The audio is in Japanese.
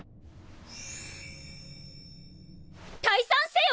退散せよ！